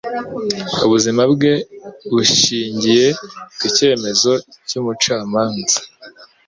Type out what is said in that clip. Ubuzima bwe bushingiye ku cyemezo cy'umucamanza.